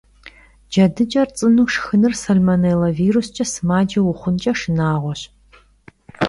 Cedıç'er ts'ıneu şşxınır salmonêlla virusç'e sımace vuxhunç'e şşınağueş.